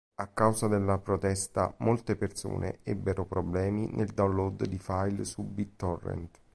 A causa della protesta molte persone ebbero problemi nel download di file su BitTorrent.